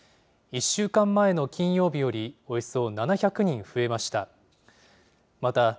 １週間前の金曜日よりおよそ７００人増えました。